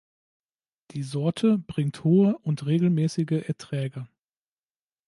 Die Sorte bringt hohe und regelmäßige Erträge.